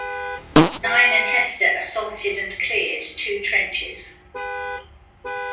Nein and Hester assaulted and cleared two trenches.